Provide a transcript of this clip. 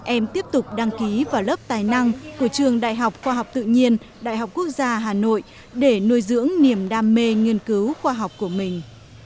em tiếp tục đăng ký vào lớp tài năng của trường đại học khoa học tự nhiên đại học quốc gia hà nội để nuôi dưỡng niềm đam mê nghiên cứu khoa học của mình